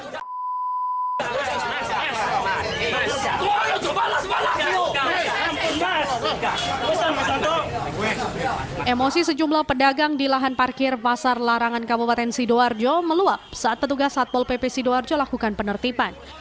emosi sejumlah pedagang di lahan parkir pasar larangan kabupaten sidoarjo meluap saat petugas satpol pp sidoarjo lakukan penertiban